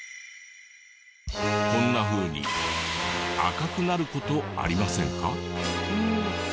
こんなふうに赤くなる事ありませんか？